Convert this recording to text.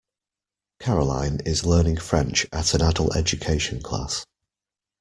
Caroline is learning French at an adult education class